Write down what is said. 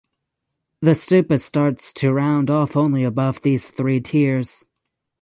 The stupa starts to round off only above these three tiers.